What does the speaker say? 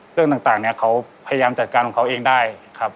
เรื่องต่างเนี่ยเขาพยายามจัดการของเขาเองได้ครับ